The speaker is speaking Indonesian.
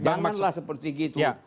janganlah seperti gitu